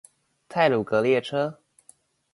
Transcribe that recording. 太魯閣列車